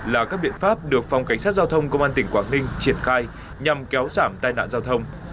là các biện pháp được phòng cảnh sát giao thông công an tỉnh quảng ninh triển khai nhằm kéo giảm tai nạn giao thông